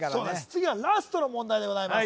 次はラストの問題でございます